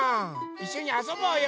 いっしょにあそぼうよ。